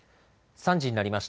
３時になりました。